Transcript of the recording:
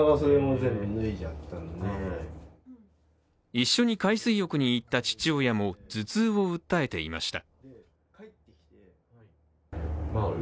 一緒に海水浴に行った父親も頭痛を訴えていました。